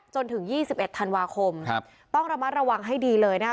จนถึงยี่สิบเอ็ดธันวาคมครับต้องระมัดระวังให้ดีเลยนะครับ